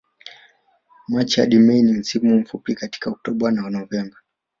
Machi hadi Mei na msimu mfupi katika Oktoba na Novemba